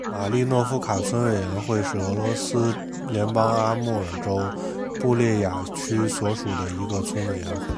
马利诺夫卡村委员会是俄罗斯联邦阿穆尔州布列亚区所属的一个村委员会。